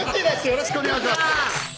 よろしくお願いします